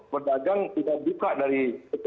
pedagang kita buka dari